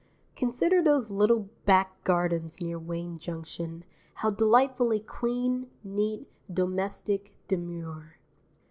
Consider those little back gardens near Wayne Junction, how delightfully clean, neat, domestic, demure.